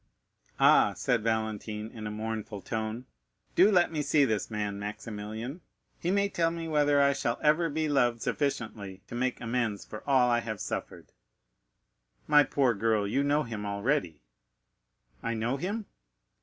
"Ah," said Valentine in a mournful tone, "do let me see this man, Maximilian; he may tell me whether I shall ever be loved sufficiently to make amends for all I have suffered." "My poor girl, you know him already." "I know him?"